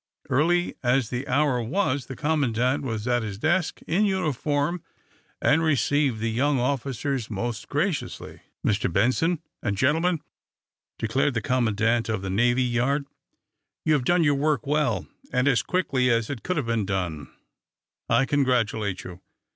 Early as the hour was, the commandant was at his desk, in uniform, and received the young officers most graciously. "Mr. Benson, and gentlemen," declared the commandant of the navy yard, "you have done your work well, and as quickly as it could have been done. I congratulate you.